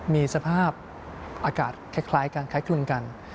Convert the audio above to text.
มีสภาพอากาศคล้ายกันคล้ายคลึงกัน